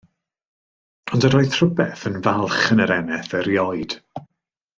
Ond yr oedd rhywbeth yn falch yn yr eneth erioed.